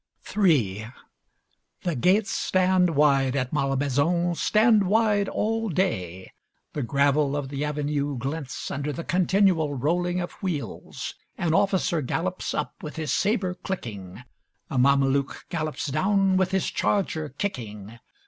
III The gates stand wide at Malmaison, stand wide all day. The gravel of the avenue glints under the continual rolling of wheels. An officer gallops up with his sabre clicking; a mameluke gallops down with his charger kicking.